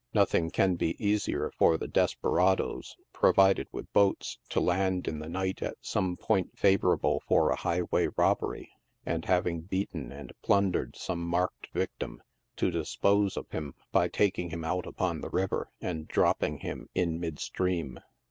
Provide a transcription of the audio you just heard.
Nothing can be easier than for despera does, provided with boats, to land in the night at some point favor able for a highway robbery, and, having beaten and plundered some marked victim, to dispose of him by taking him out upon the river and dropping him in mid stream.